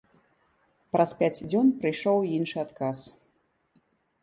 Праз пяць дзён прыйшоў іншы адказ.